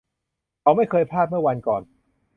เขาไม่เคยพลาดเมื่อวันก่อน